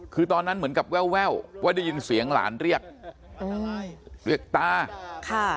คือตอนนั้นเหมือนกับแววว่าได้ยินเสียงหลานเรียกเรียกตาค่ะ